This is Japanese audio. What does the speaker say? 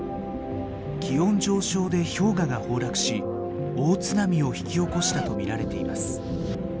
気温上昇で氷河が崩落し大津波を引き起こしたと見られています。